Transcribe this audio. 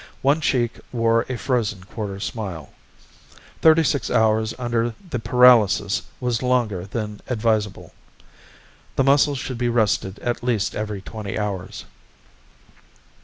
One cheek wore a frozen quarter smile. Thirty six hours under the paralysis was longer than advisable. The muscles should be rested at least every twenty hours.